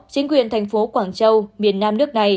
chính quyền thành phố quảng châu